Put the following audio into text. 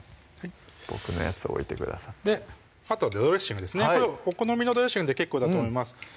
僕のやつを置いてくださってあとドレッシングですねお好みのドレッシングで結構だと思います